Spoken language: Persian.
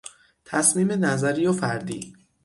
تصمیم نظری و فردی